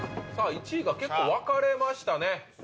１位が結構分かれましたね。